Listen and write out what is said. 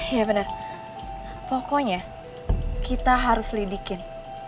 iya benar pokoknya kita harus lidikin